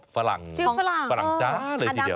ฝรั่งฝรั่งจ้าเลยทีเดียว